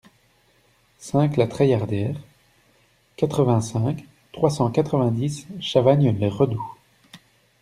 cinq la Treillardière, quatre-vingt-cinq, trois cent quatre-vingt-dix, Chavagnes-les-Redoux